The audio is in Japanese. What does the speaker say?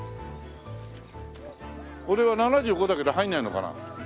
俺は７５だけど入らないのかな？